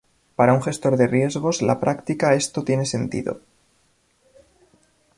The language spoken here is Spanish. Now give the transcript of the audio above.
Para un gestor de riesgos la práctica esto tiene sentido.